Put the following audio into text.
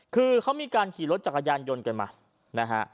คือเขามีการขี่รถจักรยานยนต์กันมานะฮะ